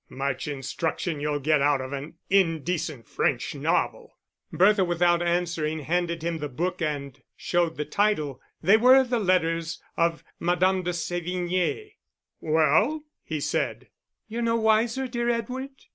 "Much instruction you'll get out of an indecent French novel." Bertha without answering handed him the book and showed the title; they were the letters of Madame de Sévigné. "Well?" he said. "You're no wiser, dear Edward?"